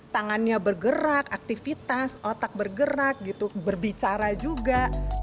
tangannya bergerak aktivitas otak bergerak gitu berbicara juga